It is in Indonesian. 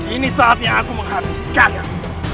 ini saatnya aku menghabisi kalian